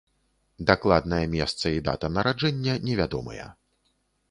Дакладнае месца і дата нараджэння невядомыя.